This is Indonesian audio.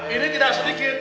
ini tidak sedikit